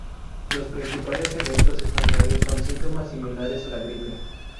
Los principales efectos secundarios son síntomas similares a la gripe.